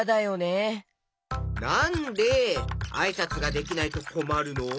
なんであいさつができないとこまるの？